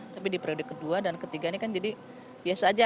tapi di periode kedua dan ketiga ini kan jadi biasa aja